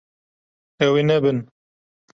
Ew ê nebin.